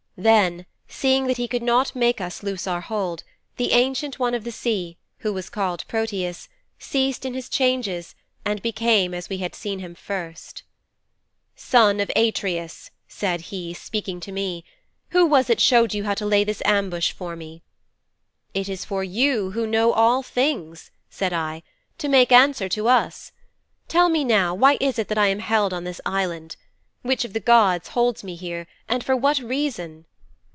Then, seeing that he could not make us loose our hold, the Ancient One of the Sea, who was called Proteus, ceased in his changes and became as we had seen him first. '"Son of Atreus," said he, speaking to me, "who was it showed you how to lay this ambush for me?"' '"It is for you who know all things," said I, "to make answer to us. Tell me now why it is that I am held on this island? Which of the gods holds me here and for what reason?"'